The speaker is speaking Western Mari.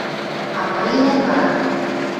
А паенӓт вара?